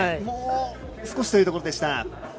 もう少しというところでした。